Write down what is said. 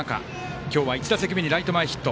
今日は１打席目ライト前ヒット。